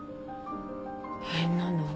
変なの。